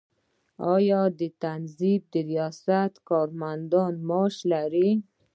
آیا د تنظیف ریاست کارمندان معاش لري؟